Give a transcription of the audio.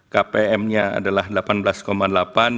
kpm nya adalah rp delapan belas delapan